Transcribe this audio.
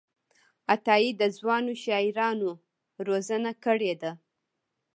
عطاييد ځوانو شاعرانو روزنه کړې ده.